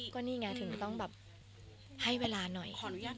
ก็นี่ไงถึงต้องแบบให้เวลาหน่อย